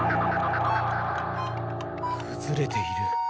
崩れている。